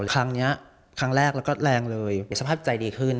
แต่ครั้งนี้ครั้งแรกเราก็แรงเลยสภาพใจดีขึ้น